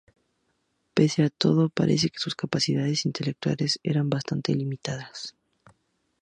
Pese a todo, parece que sus capacidades intelectuales eran bastante limitadas.